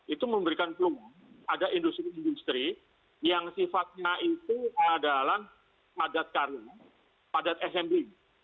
itu memberikan peluang pada industri industri yang sifatnya itu adalah padat karir padat assembly